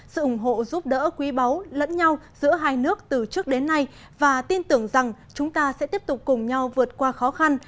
sự ủng hộ giúp đỡ quý báu lẫn nhau giữa hai nước từ trước đến nay và tin tưởng rằng chúng ta sẽ tiếp tục cùng nhau vượt qua khó khăn